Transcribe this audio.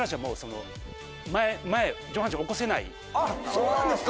そうなんですか！